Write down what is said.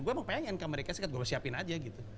gue emang pengen ke amerika serikat gue siapin aja gitu